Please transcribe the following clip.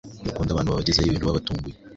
ntibakunda abantu babagezaho ibintu babatunguye,